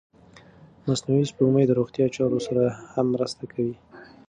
مصنوعي سپوږمکۍ د روغتیا چارو سره هم مرسته کوي.